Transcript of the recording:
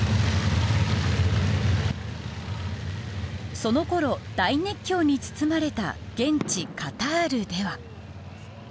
そのころ、大熱狂に包まれた現地カタールでは。